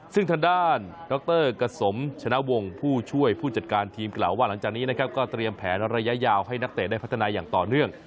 ซึ่งทางด้านดรกษมชนะวงศ์ผู้ช่วยผู้จัดการทีมกล่าวว่าหลังจากนี้นะครับก็เตรียมแผนระยะยาวให้นักเตะได้พัฒนาอย่างต่อเนื่อง